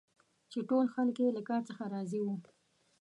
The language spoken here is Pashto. چي ټول خلک یې له کار څخه راضي وه.